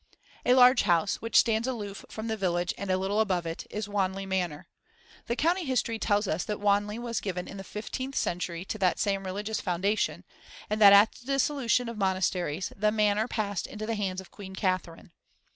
A large house, which stands aloof from the village and a little above it, is Wanley Manor. The county history tells us that Wanley was given in the fifteenth century to that same religious foundation, and that at the dissolution of monasteries the Manor passed into the hands of Queen Catherine.